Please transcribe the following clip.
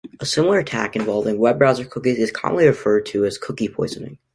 A similar attack involving web browser cookies is commonly referred to as "cookie poisoning".